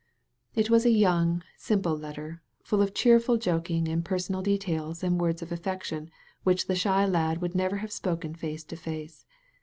It was a yoimg, simple letter, full of cheerful joking and personal details and words of affection which the shy lad would never have spoken face to face.